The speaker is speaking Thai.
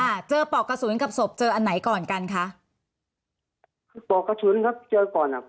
ค่ะเจอปอกกระสุนกับศพเจออันไหนก่อนกันคะปอกกระสุนครับเจอก่อนอ่ะ